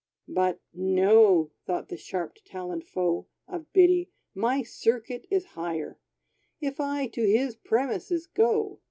But, "No," thought the sharp taloned foe Of Biddy, "my circuit is higher! If I to his premises go.